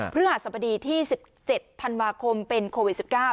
ฤหัสบดีที่๑๗ธันวาคมเป็นโควิด๑๙